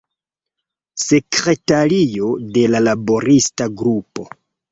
Sekretario de laborista grupo.